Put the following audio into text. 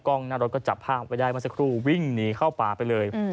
กล้องหน้ารถก็จับผ้าออกไปได้มาสักครู่วิ่งหนีเข้าป่าไปเลย